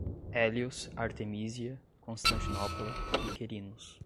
Hélios, Artemísia, Constantinopla, Miquerinos